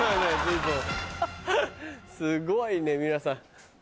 すごいね皆さん。